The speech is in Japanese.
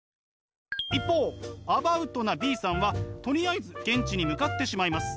一方アバウトなＢさんはとりあえず現地に向かってしまいます。